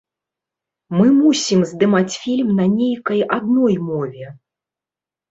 Мы мусім здымаць фільм на нейкай адной мове.